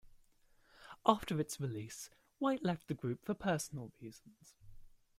After its release, White left the group for personal reasons.